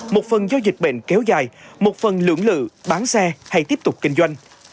một phần do dịch bệnh kéo dài một phần lưỡng lự bán xe hay tiếp tục kinh doanh